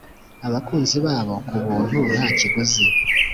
abakunzi babo kubuntu ntakiguzi